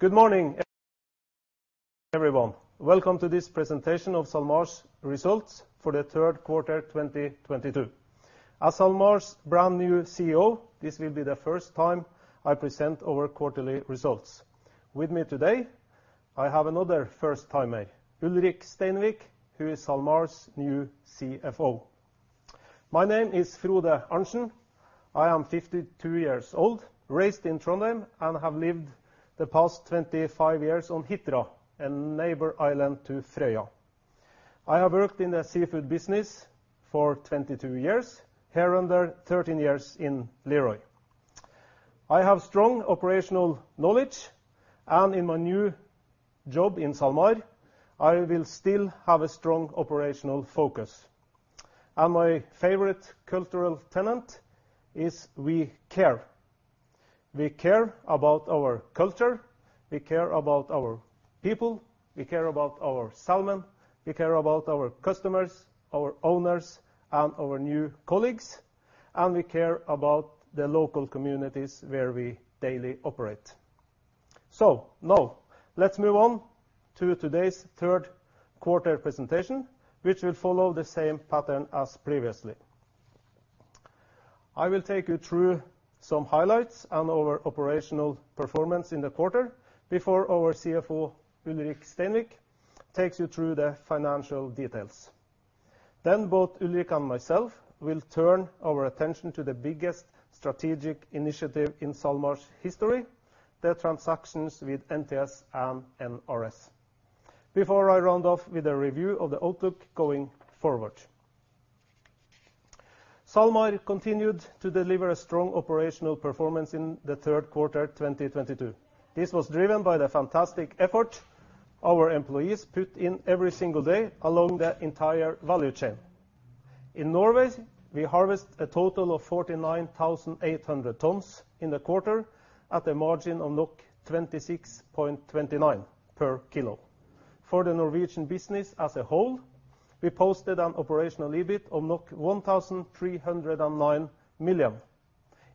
Good morning, everyone. Welcome to this presentation of SalMar's results for the third quarter, 2022. As SalMar's brand new CEO, this will be the first time I present our quarterly results. With me today, I have another first timer, Ulrik Steinvik, who is SalMar's new CFO. My name is Frode Arntsen. I am 52 years old, raised in Trondheim, and have lived the past 25 years on Hitra, a neighbor island to Frøya. I have worked in the seafood business for 22 years, hereunder 13 years in Lerøy. I have strong operational knowledge, and in my new job in SalMar, I will still have a strong operational focus. My favorite cultural tenet is we care. We care about our culture. We care about our people. We care about our salmon. We care about our customers, our owners, and our new colleagues, and we care about the local communities where we daily operate. Now let's move on to today's third quarter presentation, which will follow the same pattern as previously. I will take you through some highlights and our operational performance in the quarter before our CFO, Ulrik Steinvik, takes you through the financial details. Then both Ulrik and myself will turn our attention to the biggest strategic initiative in SalMar's history, the transactions with NTS and NRS. Before I round off with a review of the outlook going forward. SalMar continued to deliver a strong operational performance in the third quarter, 2022. This was driven by the fantastic effort our employees put in every single day along the entire value chain. In Norway, we harvest a total of 49,800 tons in the quarter at a margin of 26.29 per kilo. For the Norwegian business as a whole, we posted an operational EBIT of 1,309 million.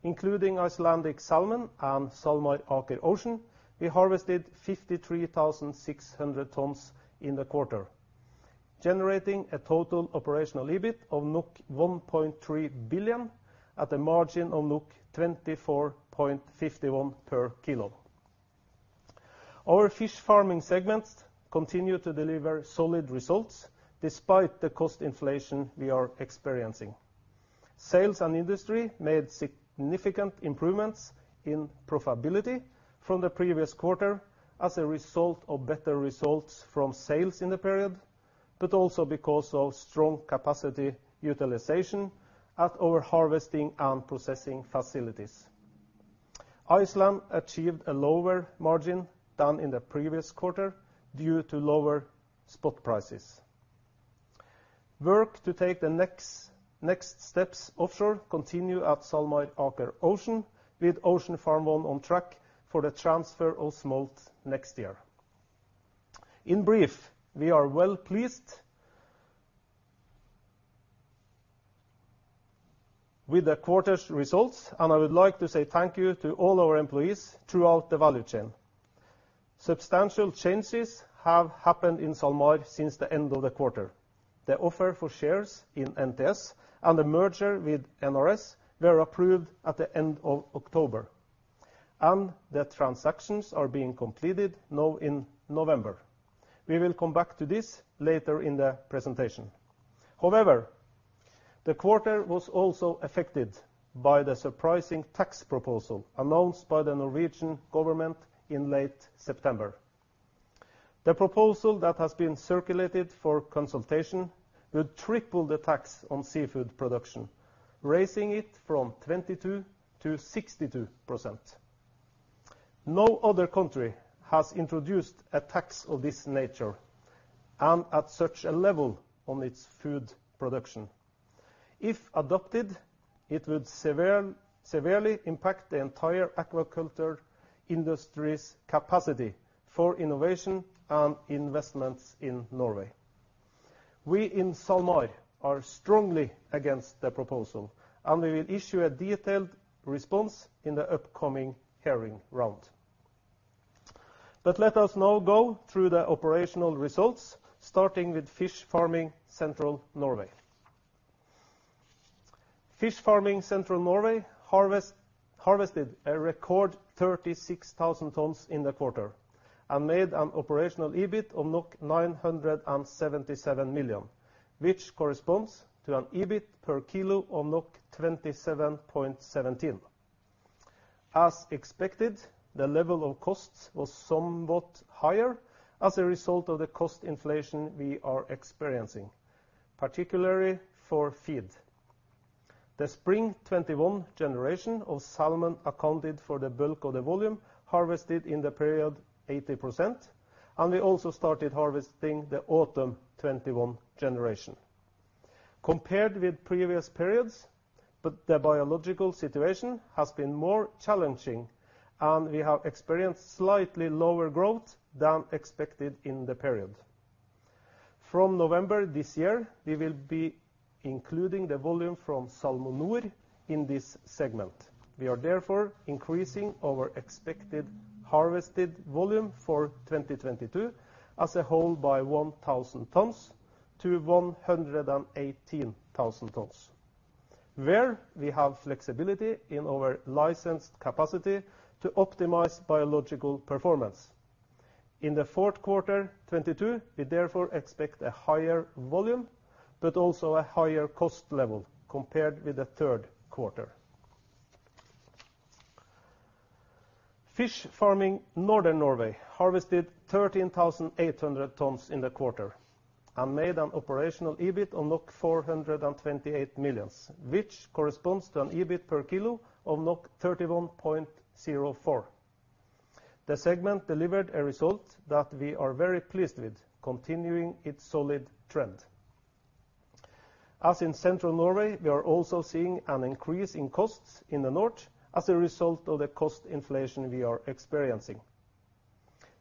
Including Icelandic Salmon and SalMar Aker Ocean, we harvested 53,600 tons in the quarter, generating a total operational EBIT of 1.3 billion at a margin of 24.51 per kilo. Our fish farming segments continue to deliver solid results despite the cost inflation we are experiencing. Sales and industry made significant improvements in profitability from the previous quarter as a result of better results from sales in the period, but also because of strong capacity utilization at our harvesting and processing facilities. Iceland achieved a lower margin than in the previous quarter due to lower spot prices. Work to take the next steps offshore continues at SalMar Aker Ocean with Ocean Farm 1 on track for the transfer of smolt next year. In brief, we are well-pleased with the quarter's results, and I would like to say thank you to all our employees throughout the value chain. Substantial changes have happened in SalMar since the end of the quarter. The offer for shares in NTS and the merger with NRS were approved at the end of October, and the transactions are being completed now in November. We will come back to this later in the presentation. However, the quarter was also affected by the surprising tax proposal announced by the Norwegian government in late September. The proposal that has been circulated for consultation would triple the tax on seafood production, raising it from 22%-62%. No other country has introduced a tax of this nature and at such a level on its food production. If adopted, it would severely impact the entire aquaculture industry's capacity for innovation and investments in Norway. We in SalMar are strongly against the proposal, and we will issue a detailed response in the upcoming hearing round. Let us now go through the operational results, starting with Fish Farming Central Norway. Fish Farming Central Norway harvested a record 36,000 tons in the quarter and made an operational EBIT of 977 million, which corresponds to an EBIT per kilo of 27.17. As expected, the level of costs was somewhat higher as a result of the cost inflation we are experiencing, particularly for feed. The Spring 2021 generation of salmon accounted for the bulk of the volume harvested in the period, 80%, and we also started harvesting the Autumn 2021 generation. Compared with previous periods, but the biological situation has been more challenging, and we have experienced slightly lower growth than expected in the period. From November this year, we will be including the volume from SalmoNor in this segment. We are therefore increasing our expected harvested volume for 2022 as a whole by 1,000 tons-118,000 tons, where we have flexibility in our licensed capacity to optimize biological performance. In the fourth quarter 2022, we therefore expect a higher volume, but also a higher cost level compared with the third quarter. Fish Farming Northern Norway harvested 13,800 tons in the quarter and made an operational EBIT of 428 million, which corresponds to an EBIT per kilo of 31.04. The segment delivered a result that we are very pleased with, continuing its solid trend. As in Central Norway, we are also seeing an increase in costs in the north as a result of the cost inflation we are experiencing.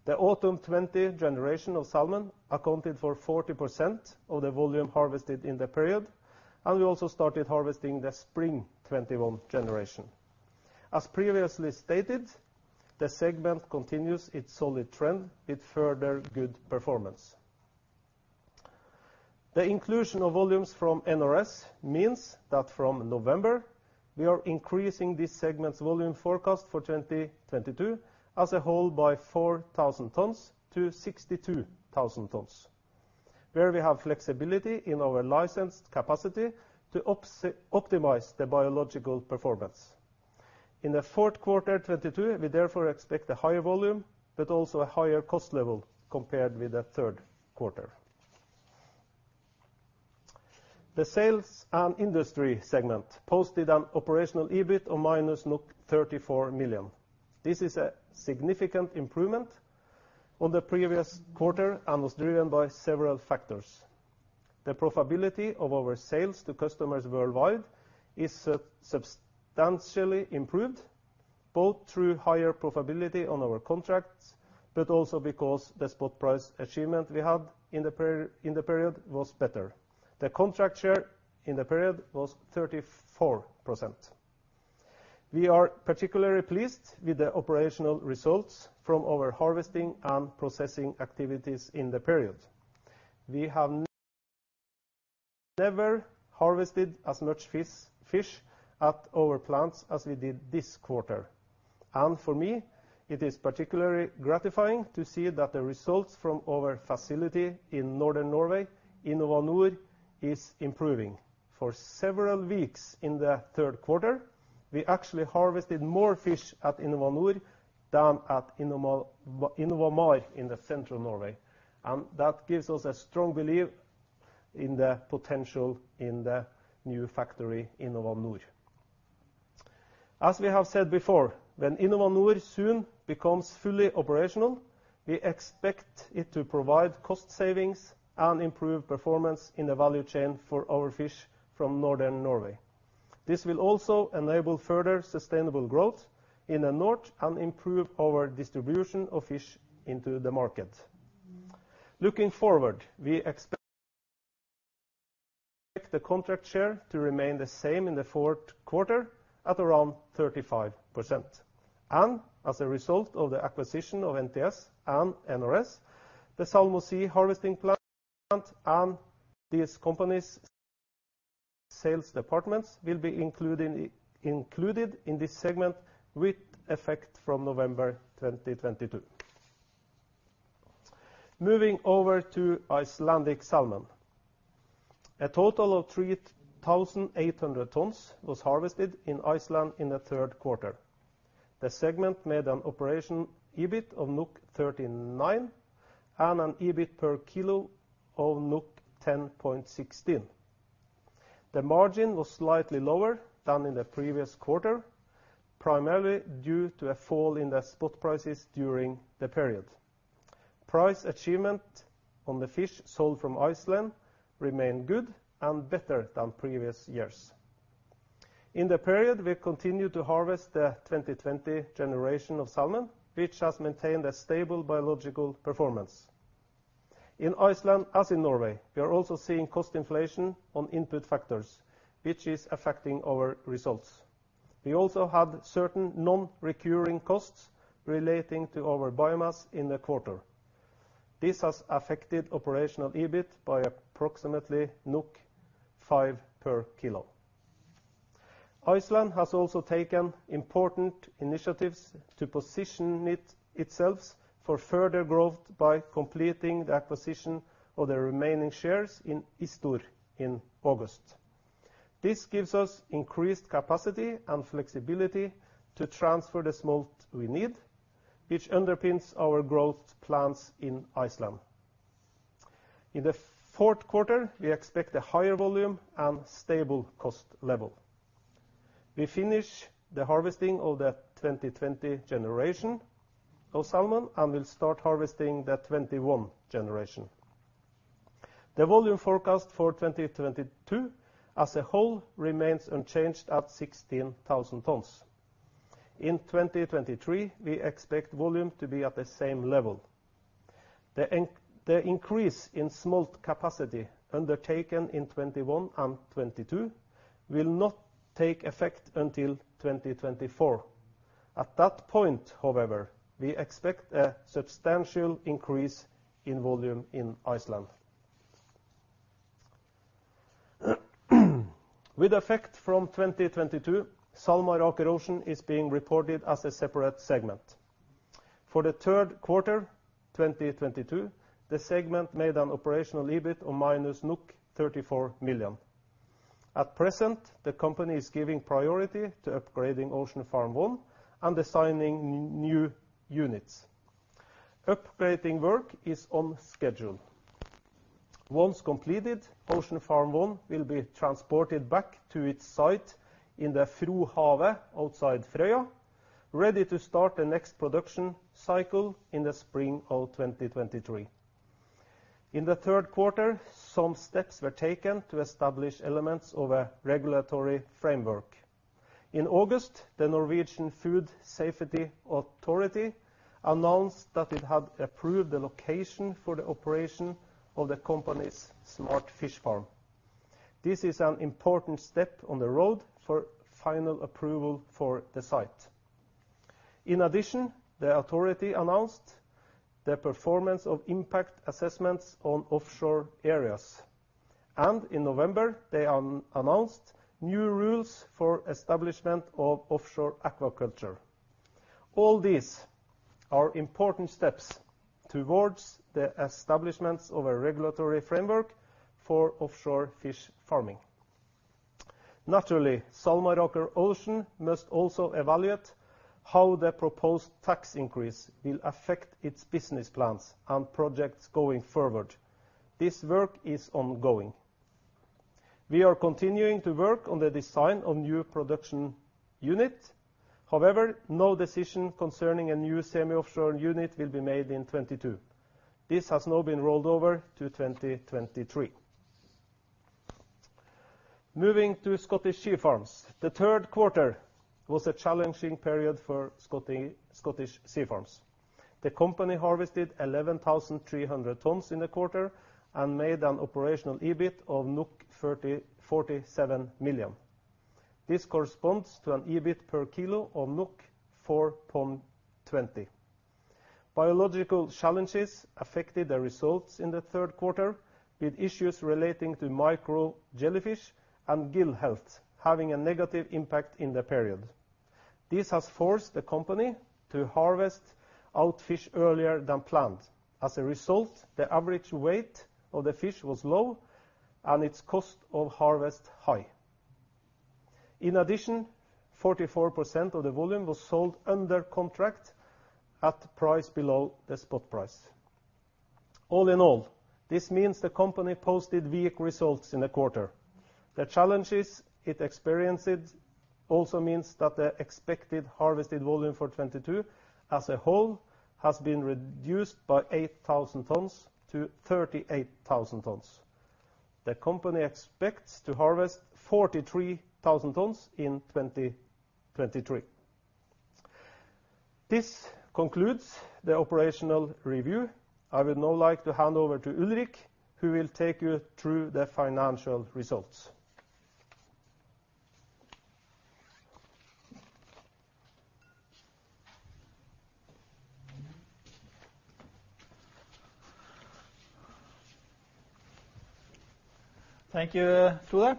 The autumn 2020 generation of salmon accounted for 40% of the volume harvested in the period, and we also started harvesting the spring 2021 generation. As previously stated, the segment continues its solid trend with further good performance. The inclusion of volumes from NRS means that from November, we are increasing this segment's volume forecast for 2022 as a whole by 4,000 tons-62,000 tons, where we have flexibility in our licensed capacity to optimize the biological performance. In the fourth quarter 2022, we therefore expect a higher volume, but also a higher cost level compared with the third quarter. The sales and industry segment posted an operational EBIT of -34 million. This is a significant improvement on the previous quarter and was driven by several factors. The profitability of our sales to customers worldwide is substantially improved, both through higher profitability on our contracts, but also because the spot price achievement we had in the period was better. The contract share in the period was 34%. We are particularly pleased with the operational results from our harvesting and processing activities in the period. We have never harvested as much fish at our plants as we did this quarter. For me, it is particularly gratifying to see that the results from our facility in Northern Norway, InnovaNor, is improving. For several weeks in the third quarter, we actually harvested more fish at InnovaNor than at InnovaMar in the Central Norway. That gives us a strong belief in the potential in the new factory, InnovaNor. As we have said before, when InnovaNor soon becomes fully operational, we expect it to provide cost savings and improve performance in the value chain for our fish from Northern Norway. This will also enable further sustainable growth in the north and improve our distribution of fish into the market. Looking forward, we expect the contract share to remain the same in the fourth quarter at around 35%. As a result of the acquisition of NTS and NRS, the SalmoSea harvesting plant and these companies' sales departments will be included in this segment with effect from November 2022. Moving over to Icelandic salmon. A total of 3,800 tons was harvested in Iceland in the third quarter. The segment made an operating EBIT of 39 and an EBIT per kilo of 10.16. The margin was slightly lower than in the previous quarter, primarily due to a fall in the spot prices during the period. Price achievement on the fish sold from Iceland remained good and better than previous years. In the period, we continued to harvest the 2020 generation of salmon, which has maintained a stable biological performance. In Iceland as in Norway, we are also seeing cost inflation on input factors, which is affecting our results. We also have certain non-recurring costs relating to our biomass in the quarter. This has affected operational EBIT by approximately 5 per kilo. Iceland has also taken important initiatives to position itself for further growth by completing the acquisition of the remaining shares in Ístur in August. This gives us increased capacity and flexibility to transfer the smolt we need, which underpins our growth plans in Iceland. In the fourth quarter, we expect a higher volume and stable cost level. We finish the harvesting of the 2020 generation of salmon and will start harvesting the 2021 generation. The volume forecast for 2022 as a whole remains unchanged at 16,000 tons. In 2023, we expect volume to be at the same level. The increase in smolt capacity undertaken in 2021 and 2022 will not take effect until 2024. At that point, however, we expect a substantial increase in volume in Iceland. With effect from 2022, SalMar Aker Ocean is being reported as a separate segment. For the third quarter 2022, the segment made an operational EBIT of -34 million. At present, the company is giving priority to upgrading Ocean Farm 1 and designing new units. Upgrading work is on schedule. Once completed, Ocean Farm 1 will be transported back to its site in the Frohavet outside Frøya, ready to start the next production cycle in the spring of 2023. In the third quarter, some steps were taken to establish elements of a regulatory framework. In August, the Norwegian Food Safety Authority announced that it had approved the location for the operation of the company's Smart Fish Farm. This is an important step on the road for final approval for the site. In addition, the authority announced the performance of impact assessments on offshore areas, and in November, they announced new rules for establishment of offshore aquaculture. All these are important steps towards the establishments of a regulatory framework for offshore fish farming. Naturally, SalMar Aker Ocean must also evaluate how the proposed tax increase will affect its business plans and projects going forward. This work is ongoing. We are continuing to work on the design of new production unit. However, no decision concerning a new semi-offshore unit will be made in 2022. This has now been rolled over to 2023. Moving to Scottish Sea Farms. The third quarter was a challenging period for Scottish Sea Farms. The company harvested 11,300 tons in the quarter and made an operational EBIT of 47 million. This corresponds to an EBIT per kilo of 4.20. Biological challenges affected the results in the third quarter, with issues relating to micro jellyfish and gill health having a negative impact in the period. This has forced the company to harvest out fish earlier than planned. As a result, the average weight of the fish was low and its cost of harvest high. In addition, 44% of the volume was sold under contract at price below the spot price. All in all, this means the company posted weak results in the quarter. The challenges it experiences also means that the expected harvested volume for 2022 as a whole has been reduced by 8,000 tons-38,000 tons. The company expects to harvest 43,000 tons in 2023. This concludes the operational review. I would now like to hand over to Ulrik, who will take you through the financial results. Thank you, Frode,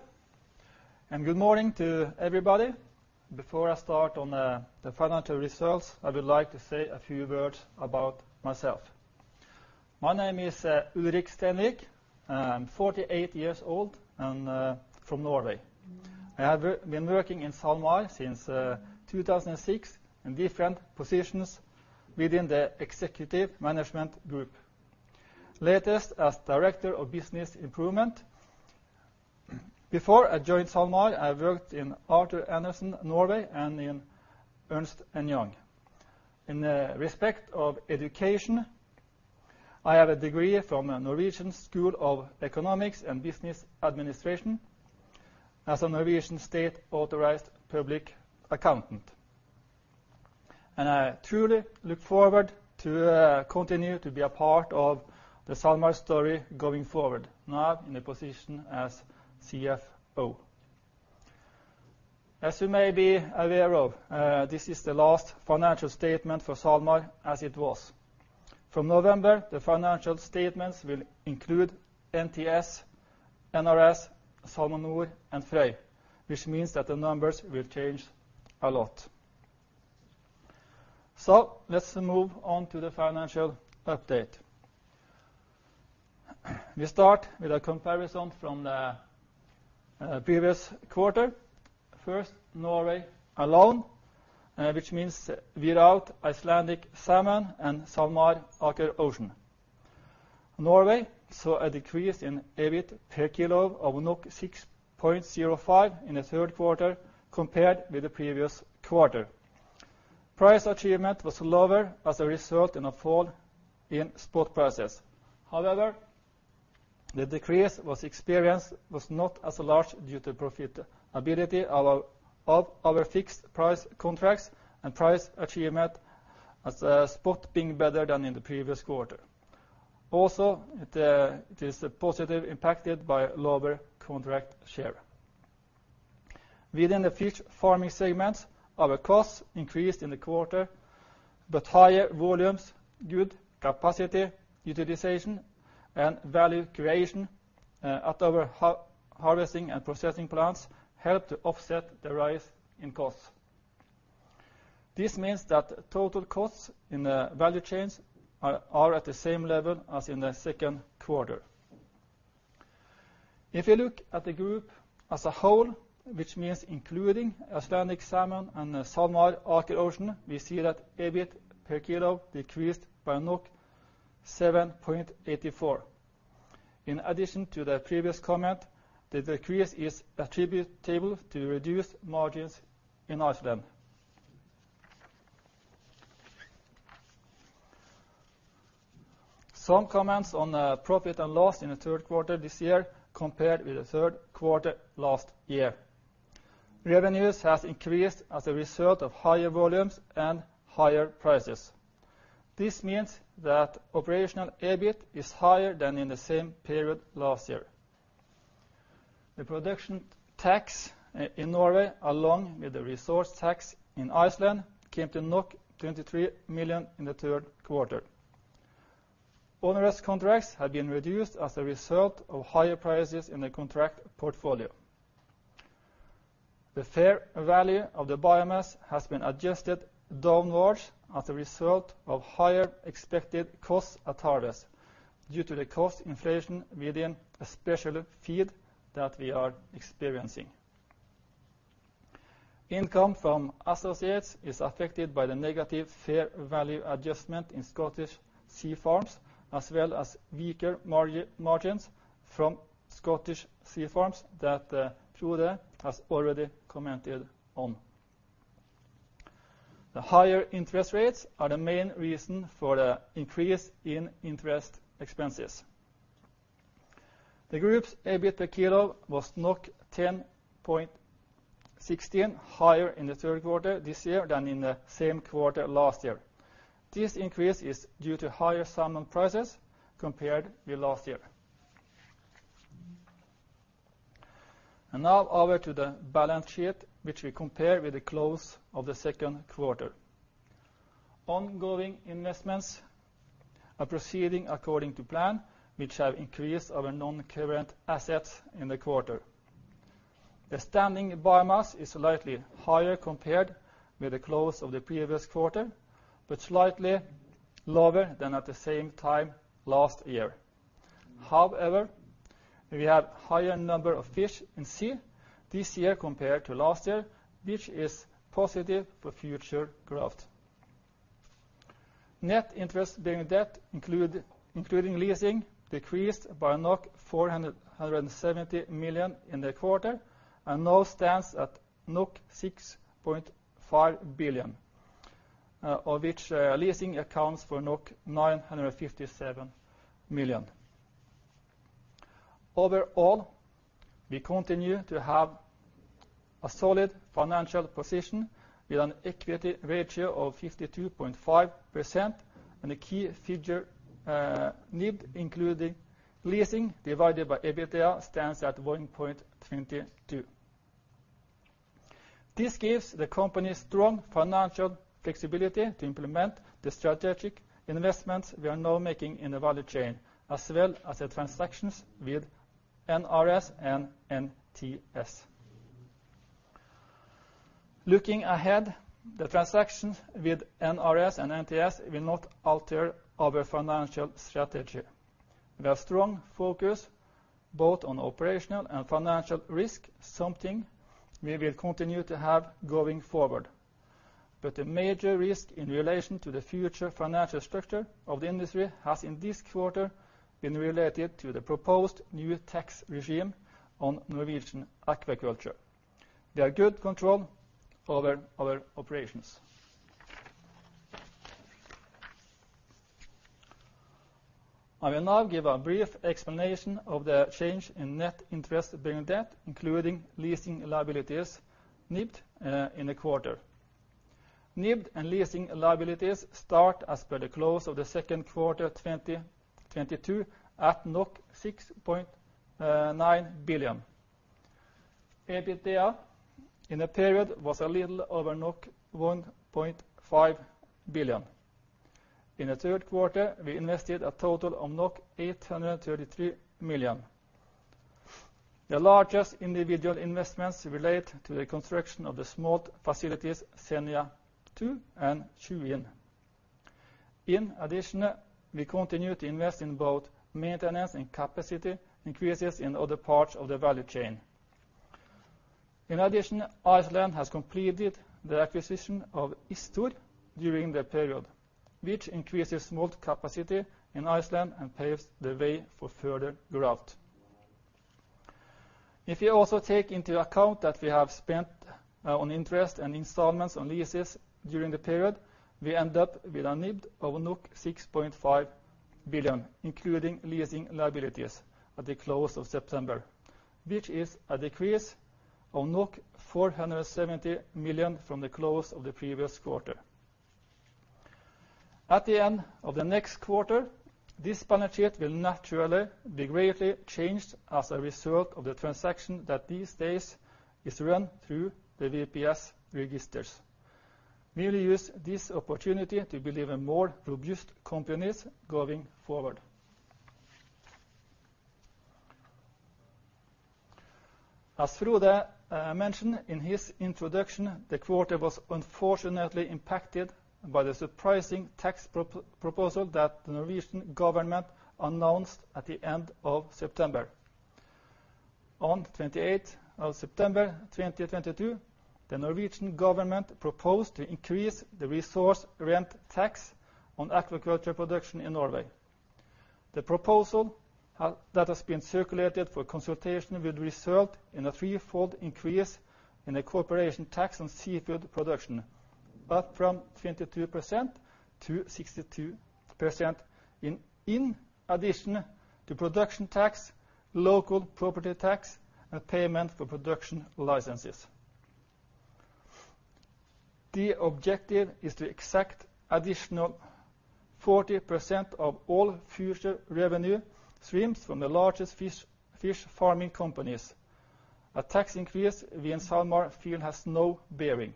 and good morning to everybody. Before I start on the financial results, I would like to say a few words about myself. My name is Ulrik Steinvik. I'm 48 years old and from Norway. I have been working in SalMar since 2006 in different positions within the executive management group, latest as Director of Business Improvement. Before I joined SalMar, I worked in Arthur Andersen, Norway, and in Ernst & Young. In respect of education, I have a degree from the Norwegian School of Economics as a Norwegian state-authorized public accountant. I truly look forward to continue to be a part of the SalMar story going forward, now in a position as CFO. As you may be aware of, this is the last financial statement for SalMar as it was. From November, the financial statements will include NTS, NRS, SalmoNor, and Frøy, which means that the numbers will change a lot. Let's move on to the financial update. We start with a comparison with the previous quarter. First, Norway alone, which means without Icelandic Salmon and SalMar Aker Ocean. Norway saw a decrease in EBIT per kilo of 6.05 in the third quarter compared with the previous quarter. Price achievement was lower as a result of a fall in spot prices. However, the decrease was not as large due to profitability of our fixed price contracts and price achievement as spot being better than in the previous quarter. Also, it is positively impacted by lower contract share. Within the fish farming segments, our costs increased in the quarter, but higher volumes, good capacity, utilization and value creation at our harvesting and processing plants helped to offset the rise in costs. This means that total costs in the value chains are at the same level as in the second quarter. If you look at the group as a whole, which means including Icelandic Salmon and SalMar Aker Ocean, we see that EBIT per kilo decreased by 7.84. In addition to the previous comment, the decrease is attributable to reduced margins in Iceland. Some comments on profit and loss in the third quarter this year compared with the third quarter last year. Revenues has increased as a result of higher volumes and higher prices. This means that operational EBIT is higher than in the same period last year. The production tax in Norway, along with the resource tax in Iceland, came to 23 million in the third quarter. Onerous contracts have been reduced as a result of higher prices in the contract portfolio. The fair value of the biomass has been adjusted downwards as a result of higher expected costs at harvest due to the cost inflation within especially feed that we are experiencing. Income from associates is affected by the negative fair value adjustment in Scottish Sea Farms, as well as weaker margins from Scottish Sea Farms that Frode has already commented on. The higher interest rates are the main reason for the increase in interest expenses. The group's EBIT per kilo was 10.16, higher in the third quarter this year than in the same quarter last year. This increase is due to higher salmon prices compared with last year. Now over to the balance sheet, which we compare with the close of the second quarter. Ongoing investments are proceeding according to plan, which have increased our non-current assets in the quarter. The standing biomass is slightly higher compared with the close of the previous quarter, but slightly lower than at the same time last year. However, we have higher number of fish in sea this year compared to last year, which is positive for future growth. Net interest-bearing debt including leasing decreased by 470 million in the quarter, and now stands at 6.5 billion, of which leasing accounts for 957 million. Overall, we continue to have a solid financial position with an equity ratio of 52.5% and the key figure, NIBD including leasing divided by EBITDA stands at 1.22. This gives the company strong financial flexibility to implement the strategic investments we are now making in the value chain, as well as the transactions with NRS and NTS. Looking ahead, the transactions with NRS and NTS will not alter our financial strategy. We have strong focus both on operational and financial risk, something we will continue to have going forward. The major risk in relation to the future financial structure of the industry has in this quarter been related to the proposed new tax regime on Norwegian aquaculture. We have good control over our operations. I will now give a brief explanation of the change in net interest-bearing debt, including leasing liabilities, NIBD, in the quarter. NIBD and leasing liabilities start as per the close of the second quarter 2022 at NOK 6.9 billion. EBITDA in the period was a little over NOK 1.5 billion. In the third quarter, we invested a total of NOK 833 million. The largest individual investments relate to the construction of the SMART facilities Senja 2 and Tjuin. In addition, we continue to invest in both maintenance and capacity increases in other parts of the value chain. In addition, Icelandic Salmon has completed the acquisition of Ístur during the period, which increases SMART capacity in Iceland and paves the way for further growth. If you also take into account that we have spent on interest and installments on leases during the period, we end up with a NIBD of 6.5 billion, including leasing liabilities at the close of September, which is a decrease of 470 million from the close of the previous quarter. At the end of the next quarter, this balance sheet will naturally be greatly changed as a result of the transaction that these days is run through the VPS registers. We will use this opportunity to believe in more robust companies going forward. As Frode mentioned in his introduction, the quarter was unfortunately impacted by the surprising tax proposal that the Norwegian government announced at the end of September. On September 28 2022, the Norwegian government proposed to increase the resource rent tax on aquaculture production in Norway. The proposal that has been circulated for consultation would result in a three-fold increase in the corporation tax on seafood production, up from 22%-62% in addition to production tax, local property tax, and payment for production licenses. The objective is to exact additional 40% of all future revenue streams from the largest fish farming companies. A tax increase we in SalMar feel has no bearing.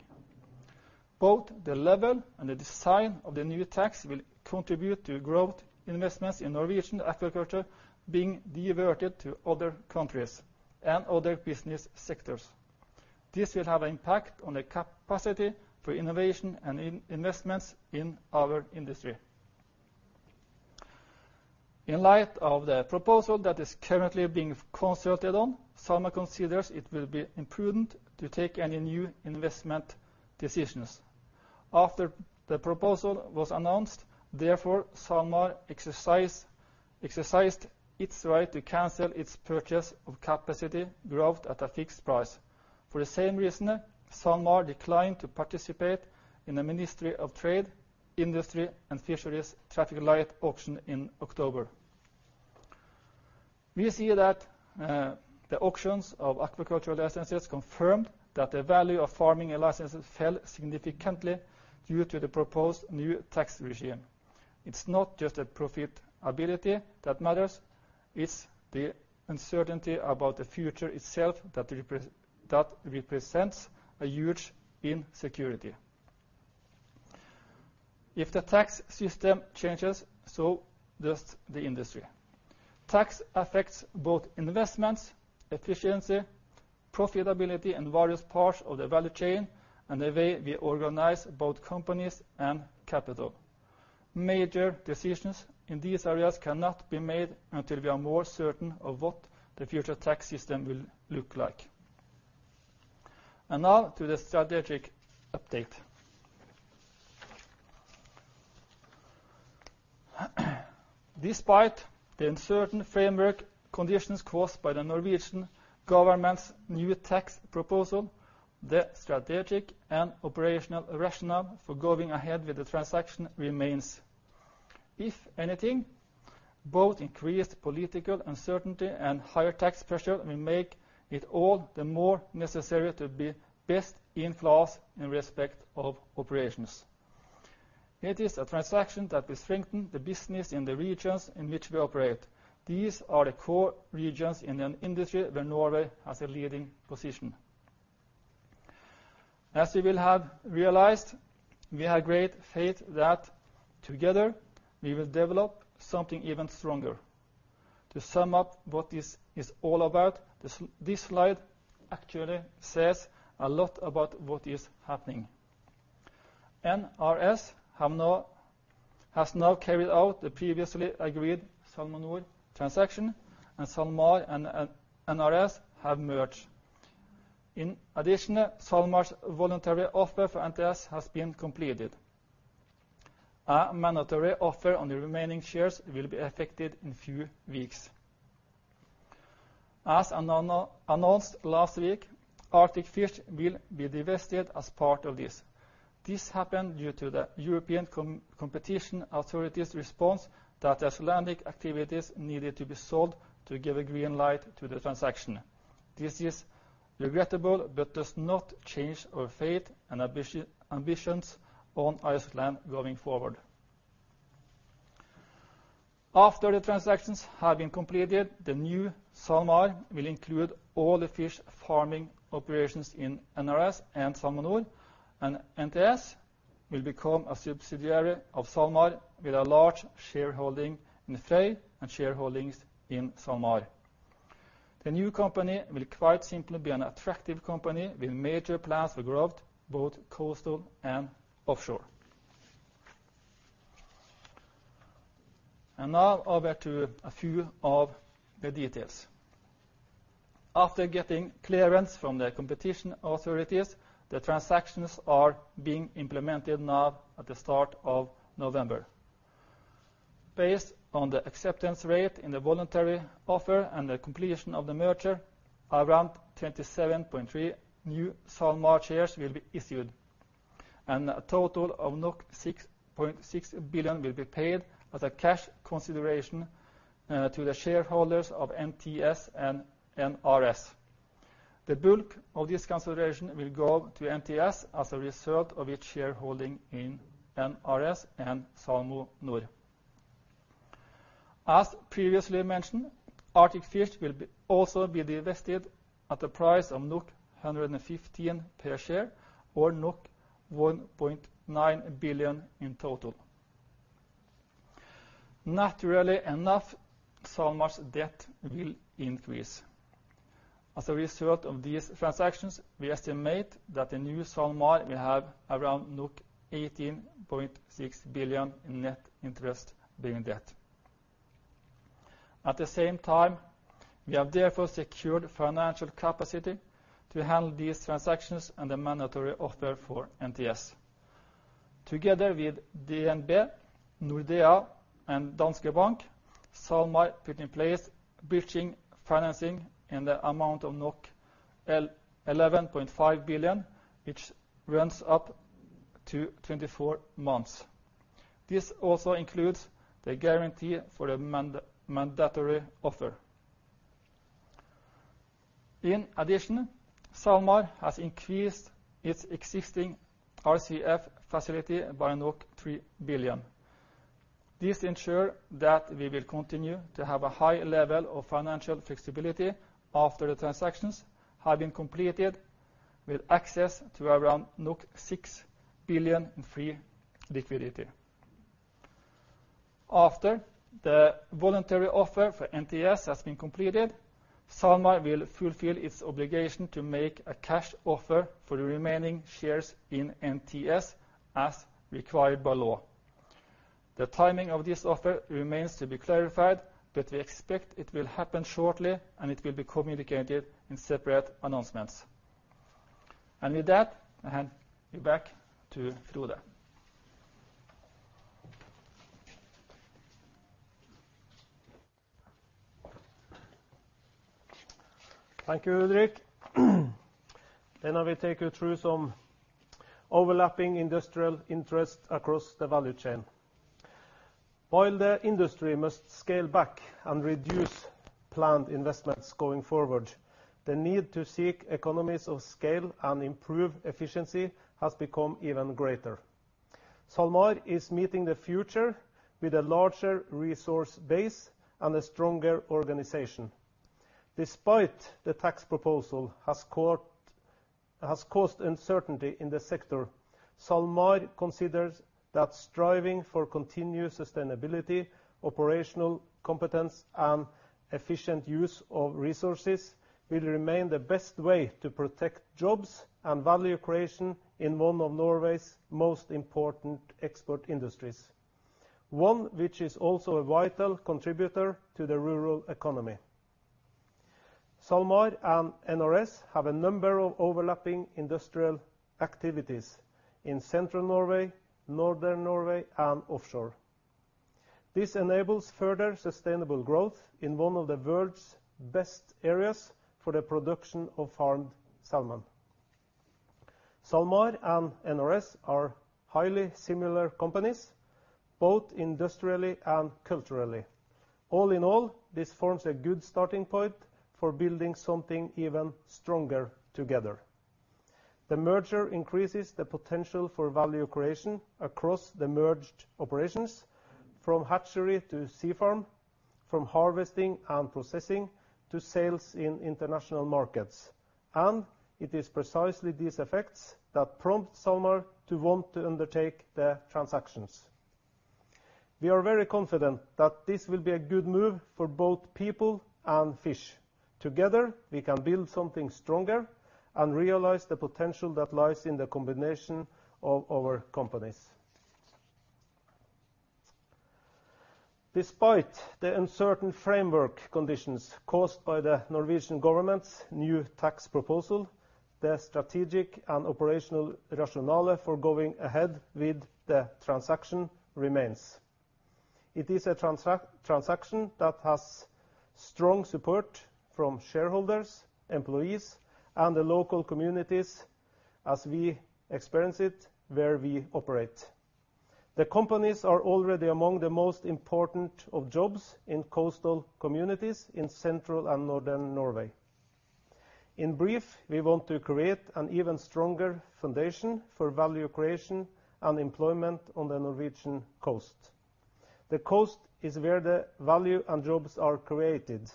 Both the level and the design of the new tax will contribute to growth investments in Norwegian aquaculture being diverted to other countries and other business sectors. This will have impact on the capacity for innovation and investments in our industry. In light of the proposal that is currently being consulted on, SalMar considers it will be imprudent to take any new investment decisions. After the proposal was announced, therefore, SalMar exercised its right to cancel its purchase of capacity growth at a fixed price. For the same reason, SalMar declined to participate in the Ministry of Trade, Industry and Fisheries traffic light auction in October. We see that the auctions of aquaculture licenses confirmed that the value of farming licenses fell significantly due to the proposed new tax regime. It's not just the profitability that matters, it's the uncertainty about the future itself that represents a huge insecurity. If the tax system changes, so does the industry. Tax affects both investments, efficiency, profitability, and various parts of the value chain and the way we organize both companies and capital. Major decisions in these areas cannot be made until we are more certain of what the future tax system will look like. Now to the strategic update. Despite the uncertain framework conditions caused by the Norwegian government's new tax proposal, the strategic and operational rationale for going ahead with the transaction remains. If anything, both increased political uncertainty and higher tax pressure will make it all the more necessary to be best in class in respect of operations. It is a transaction that will strengthen the business in the regions in which we operate. These are the core regions in an industry where Norway has a leading position. As you will have realized, we have great faith that together we will develop something even stronger. To sum up what this is all about, this slide actually says a lot about what is happening. NRS has now carried out the previously agreed SalmoNor transaction, and SalMar and NRS have merged. In addition, SalMar's voluntary offer for NTS has been completed. A mandatory offer on the remaining shares will be effected in few weeks. As announced last week, Arctic Fish will be divested as part of this. This happened due to the European competition authorities response that Icelandic activities needed to be sold to give a green light to the transaction. This is regrettable but does not change our faith and ambitions on Iceland going forward. After the transactions have been completed, the new SalMar will include all the fish farming operations in NRS and SalmoNor, and NTS will become a subsidiary of SalMar with a large shareholding in Frøy and shareholdings in SalMar. The new company will quite simply be an attractive company with major plans for growth, both coastal and offshore. Now over to a few of the details. After getting clearance from the competition authorities, the transactions are being implemented now at the start of November. Based on the acceptance rate in the voluntary offer and the completion of the merger, around 27.3 new SalMar shares will be issued, and a total of 6.6 billion will be paid as a cash consideration to the shareholders of NTS and NRS. The bulk of this consideration will go to NTS as a result of its shareholding in NRS and SalmoNor. As previously mentioned, Arctic Fish will also be divested at a price of 115 per share or 1.9 billion in total. Naturally enough, SalMar's debt will increase. As a result of these transactions, we estimate that the new SalMar will have around 18.6 billion in net interest-bearing debt. At the same time, we have therefore secured financial capacity to handle these transactions and the mandatory offer for NTS. Together with DNB, Nordea, and Danske Bank, SalMar put in place bridging financing in the amount of 11.5 billion, which runs up to 24 months. This also includes the guarantee for a mandatory offer. In addition, SalMar has increased its existing RCF facility by 3 billion. This ensures that we will continue to have a high level of financial flexibility after the transactions have been completed with access to around 6 billion in free liquidity. After the voluntary offer for NTS has been completed, SalMar will fulfill its obligation to make a cash offer for the remaining shares in NTS as required by law. The timing of this offer remains to be clarified, but we expect it will happen shortly, and it will be communicated in separate announcements. With that, I hand you back to Frode. Thank you, Ulrik. I will take you through some overlapping industrial interest across the value chain. While the industry must scale back and reduce planned investments going forward, the need to seek economies of scale and improve efficiency has become even greater. SalMar is meeting the future with a larger resource base and a stronger organization. Despite the tax proposal has caused uncertainty in the sector, SalMar considers that striving for continued sustainability, operational competence, and efficient use of resources will remain the best way to protect jobs and value creation in one of Norway's most important export industries, one which is also a vital contributor to the rural economy. SalMar and NRS have a number of overlapping industrial activities in Central Norway, Northern Norway, and offshore. This enables further sustainable growth in one of the world's best areas for the production of farmed salmon. SalMar and NRS are highly similar companies, both industrially and culturally. All in all, this forms a good starting point for building something even stronger together. The merger increases the potential for value creation across the merged operations from hatchery to sea farm, from harvesting and processing, to sales in international markets. It is precisely these effects that prompt SalMar to want to undertake the transactions. We are very confident that this will be a good move for both people and fish. Together, we can build something stronger and realize the potential that lies in the combination of our companies. Despite the uncertain framework conditions caused by the Norwegian government's new tax proposal, the strategic and operational rationale for going ahead with the transaction remains. It is a transaction that has strong support from shareholders, employees, and the local communities as we experience it where we operate. The companies are already among the most important of jobs in coastal communities in Central and Northern Norway. In brief, we want to create an even stronger foundation for value creation and employment on the Norwegian coast. The coast is where the value and jobs are created,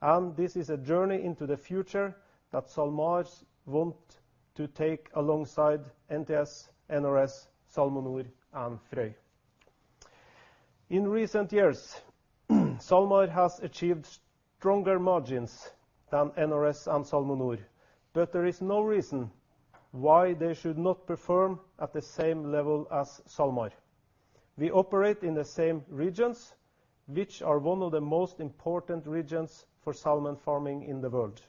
and this is a journey into the future that SalMar want to take alongside NTS, NRS, SalmoNor, and Frøy. In recent years, SalMar has achieved stronger margins than NRS and SalmoNor, but there is no reason why they should not perform at the same level as SalMar. We operate in the same regions, which are one of the most important regions for salmon farming in the world.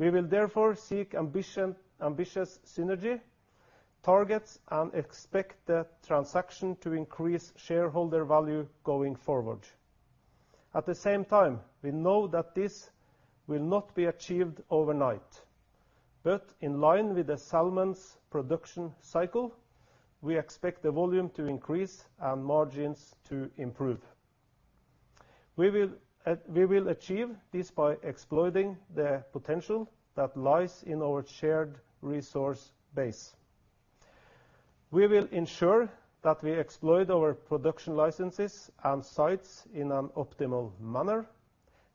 We will therefore seek ambitious synergy targets and expect the transaction to increase shareholder value going forward. At the same time, we know that this will not be achieved overnight, but in line with the salmon's production cycle, we expect the volume to increase and margins to improve. We will, we will achieve this by exploiting the potential that lies in our shared resource base. We will ensure that we exploit our production licenses and sites in an optimal manner.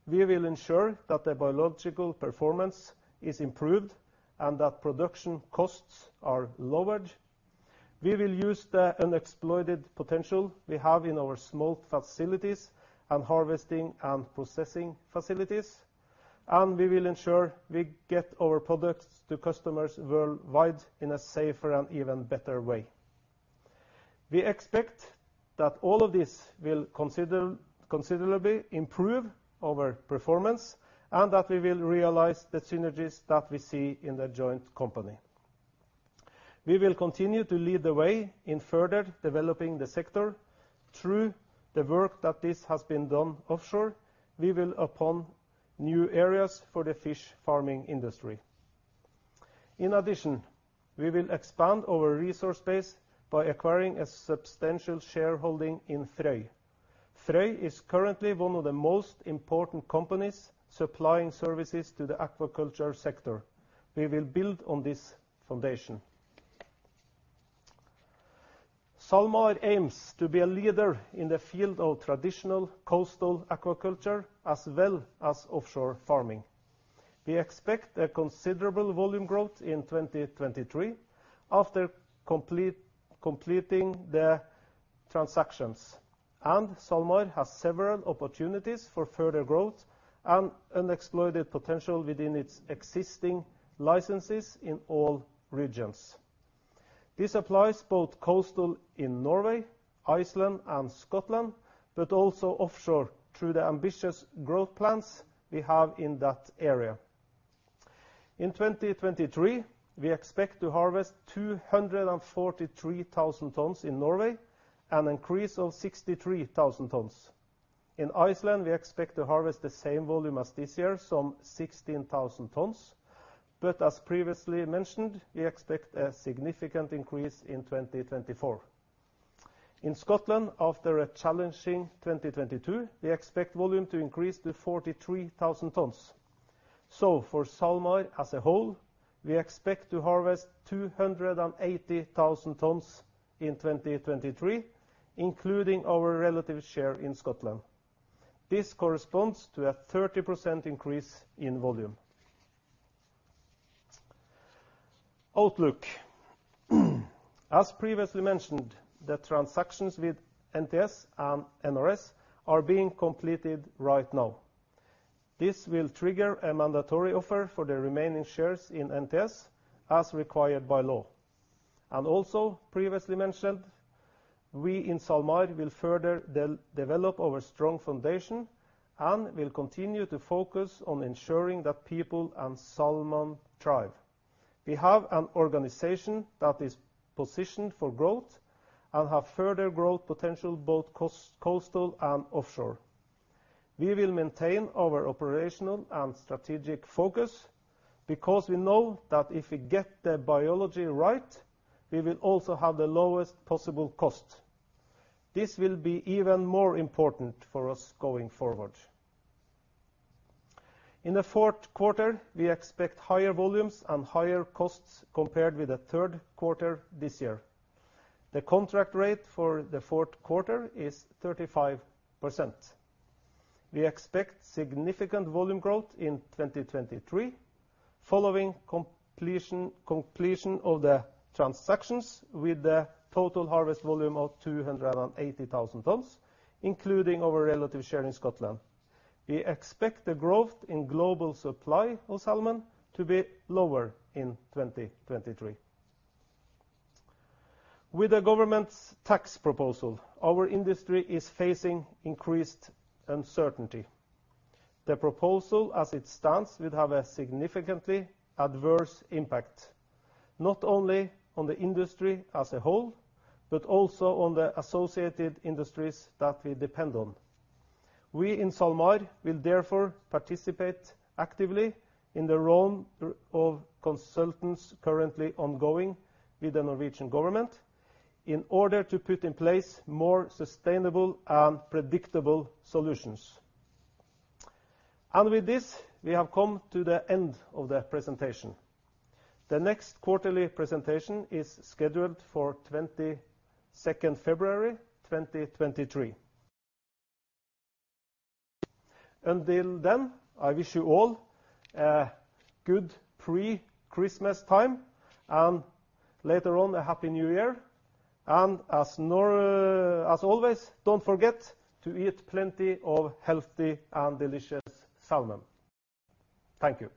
We will ensure that the biological performance is improved and that production costs are lowered. We will use the unexploited potential we have in our smolt facilities and harvesting and processing facilities, and we will ensure we get our products to customers worldwide in a safer and even better way. We expect that all of this will considerably improve our performance and that we will realize the synergies that we see in the joint company. We will continue to lead the way in further developing the sector through the work that this has been done offshore. We will open new areas for the fish farming industry. In addition, we will expand our resource base by acquiring a substantial shareholding in Frøy. Frøy is currently one of the most important companies supplying services to the aquaculture sector. We will build on this foundation. SalMar aims to be a leader in the field of traditional coastal aquaculture as well as offshore farming. We expect a considerable volume growth in 2023 after completing the transactions, and SalMar has several opportunities for further growth and unexploited potential within its existing licenses in all regions. This applies both coastal in Norway, Iceland, and Scotland, but also offshore through the ambitious growth plans we have in that area. In 2023, we expect to harvest 243,000 tons in Norway, an increase of 63,000 tons. In Iceland, we expect to harvest the same volume as this year, some 16,000 tons, but as previously mentioned, we expect a significant increase in 2024. In Scotland, after a challenging 2022, we expect volume to increase to 43,000 tons. For SalMar as a whole, we expect to harvest 280,000 tons in 2023, including our relative share in Scotland. This corresponds to a 30% increase in volume. Outlook. As previously mentioned, the transactions with NTS and NRS are being completed right now. This will trigger a mandatory offer for the remaining shares in NTS as required by law. Also previously mentioned, we in SalMar will further develop our strong foundation and will continue to focus on ensuring that people and salmon thrive. We have an organization that is positioned for growth and have further growth potential both coastal and offshore. We will maintain our operational and strategic focus because we know that if we get the biology right, we will also have the lowest possible cost. This will be even more important for us going forward. In the fourth quarter, we expect higher volumes and higher costs compared with the third quarter this year. The contract rate for the fourth quarter is 35%. We expect significant volume growth in 2023 following completion of the transactions with the total harvest volume of 280,000 tons, including our relative share in Scotland. We expect the growth in global supply of salmon to be lower in 2023. With the government's tax proposal, our industry is facing increased uncertainty. The proposal as it stands would have a significantly adverse impact, not only on the industry as a whole, but also on the associated industries that we depend on. We in SalMar will therefore participate actively in the round of consultations currently ongoing with the Norwegian government in order to put in place more sustainable and predictable solutions. With this, we have come to the end of the presentation. The next quarterly presentation is scheduled for February 22nd 2023. Until then, I wish you all a good pre-Christmas time and later on, a happy New Year, and as always, don't forget to eat plenty of healthy and delicious salmon. Thank you.